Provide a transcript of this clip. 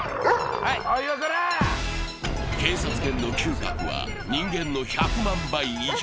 警察犬の嗅覚は、人間の１００万倍以上。